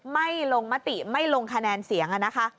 ไม่ลงมติไม่ลงคะแนนเสียงนะคะ